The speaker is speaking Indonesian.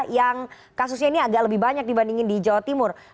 yang kasusnya ini agak lebih banyak dibandingin di jawa timur